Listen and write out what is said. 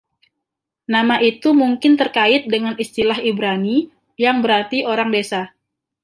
Nama itu mungkin terkait dengan istilah Ibrani, yang berarti orang desa.